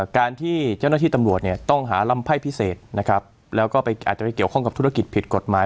การที่เจ้าหน้าที่ตำรวจเนี่ยต้องหาลำไพ่พิเศษนะครับแล้วก็อาจจะไปเกี่ยวข้องกับธุรกิจผิดกฎหมาย